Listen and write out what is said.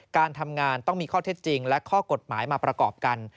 การทำงานต้องมีข้อเท็จจริงและข้อกฎหมายมาประกอบกัน